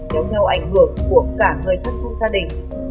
kéo theo ảnh hưởng của cả người thân trong gia đình